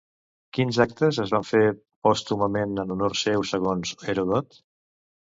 Quins actes es van fer pòstumament en honor seu segons Heròdot?